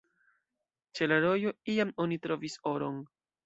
Ĉe la rojo iam oni trovis oron.